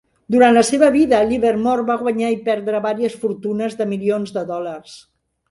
Durant la seva vida, Livermore va guanyar i perdre vàries fortunes de milions de dòlars.